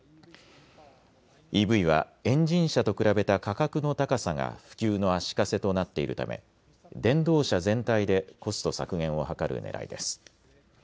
ＥＶはエンジン車と比べた価格の高さが普及の足かせとなっているため電動車全体でコスト削減を図るねらいです。